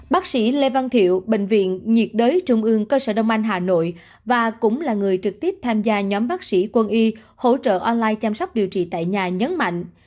bác sĩ lê văn thiệu bệnh viện nhiệt đới trung ương cơ sở đông anh hà nội và cũng là người trực tiếp tham gia nhóm bác sĩ quân y hỗ trợ online chăm sóc điều trị tại nhà nhấn mạnh